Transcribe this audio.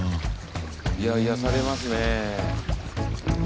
いや癒やされますね。